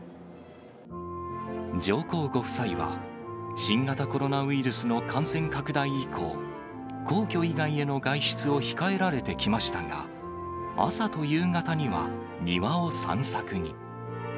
上皇ご夫妻は、新型コロナウイルスの感染拡大以降、皇居以外への外出を控えられてきましたが、朝と夕方には、庭を散策に。